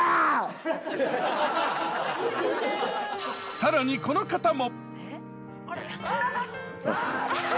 さらにこの方も。